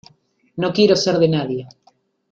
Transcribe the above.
no quiero ser de nadie.